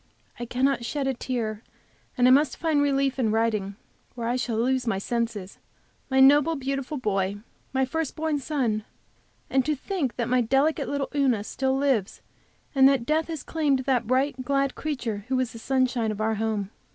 I cannot shed a tear, and I must find relief in writing, or I shall lose my senses. My noble, beautiful boy! My first born son! And to think that my delicate little Una still lives, and that death has claimed that bright, glad creature who was the sunshine of our home!